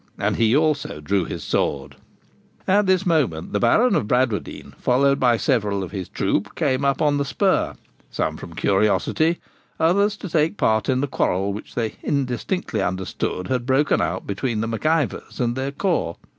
And he also drew his sword. At this moment the Baron of Bradwardine, followed by several of his troop, came up on the spur, some from curiosity, others to take part in the quarrel which they indistinctly understood had broken out between the Mac Ivors and their corps.